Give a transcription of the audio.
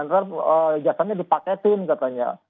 nanti ijazahnya dipaketin katanya